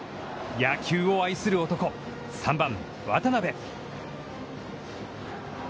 野球を愛する男、３番渡邊。